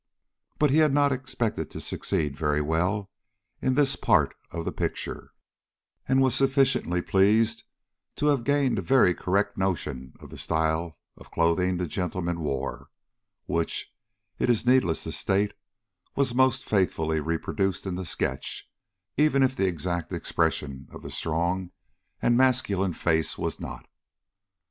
But he had not expected to succeed very well in this part of the picture, and was sufficiently pleased to have gained a very correct notion of the style of clothing the gentleman wore, which, it is needless to state, was most faithfully reproduced in the sketch, even if the exact expression of the strong and masculine face was not.